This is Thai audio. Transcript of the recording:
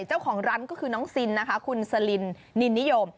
เจ้าของร้านก็คือน้องซินนะคะคุณสลินนินนิยม